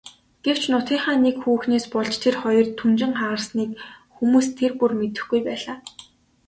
Гэвч нутгийнхаа нэг хүүхнээс болж тэр хоёрын түнжин хагарсныг хүмүүс тэр бүр мэдэхгүй байлаа.